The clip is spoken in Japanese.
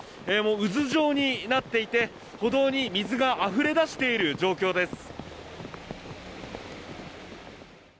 渦状になっていて歩道に水があふれ出している状況です。